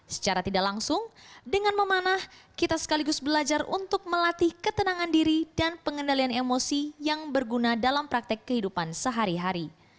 secara tidak langsung dengan memanah kita sekaligus belajar untuk melatih ketenangan diri dan pengendalian emosi yang berguna dalam praktek kehidupan sehari hari